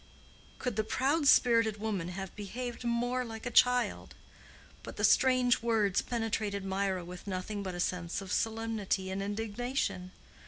Could the proud spirited woman have behaved more like a child? But the strange words penetrated Mirah with nothing but a sense of solemnity and indignation.